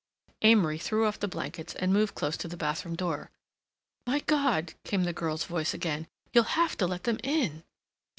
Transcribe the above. Amory threw off the blankets and moved close to the bathroom door. "My God!" came the girl's voice again. "You'll have to let them in."